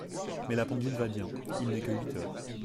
Mais la pendule va bien ; il n’est que huit heures.